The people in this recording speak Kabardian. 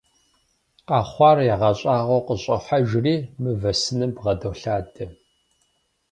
Къэхъуар ягъэщӏагъуэу къыщӏохьэжри мывэ сыным бгъэдолъадэ.